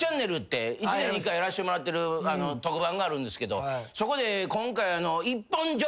１年に１回やらしてもらってる特番があるんですけどそこで今回。